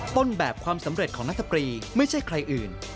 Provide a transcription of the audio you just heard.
ต้นแบบความสำเร็จของนักดับตรีไม่ใช่ใครอื่น